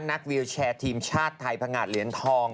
วิวแชร์ทีมชาติไทยพงาดเหรียญทอง